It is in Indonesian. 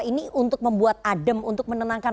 ini untuk membuat adem untuk menenangkan